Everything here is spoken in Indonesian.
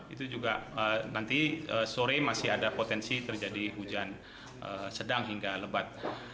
itu juga nanti sore masih ada potensi terjadi hujan sedang hingga lebat